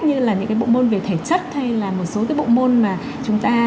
như là những cái bộ môn về thể chất hay là một số cái bộ môn mà chúng ta